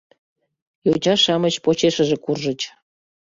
Йоча-шамыч почешыже куржыч.